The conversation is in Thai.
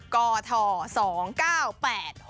๖กตกด๒๙๘